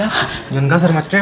jangan kasar macem